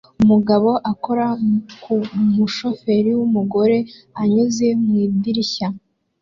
Umugabo akora ku mushoferi wumugore anyuze mu idirishya